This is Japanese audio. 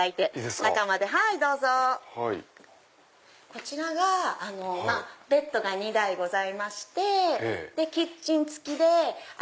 こちらベッドが２台ございましてキッチン付きで。